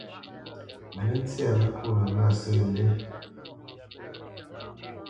Mə nə́ ntsɛ́ məkónə masə̂ lí.